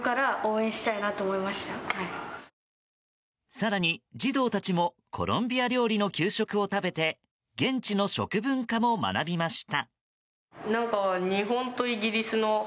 更に、児童たちもコロンビア料理の給食を食べて現地の食文化も学びました。